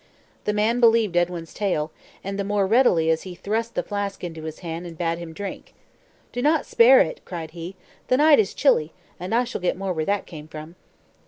The man believed Edwin's tale, and the more readily as he thrust the flask into his hand, and bade him drink. "Do not spare it," cried he; "the night is chilly, and I shall get more where that came from."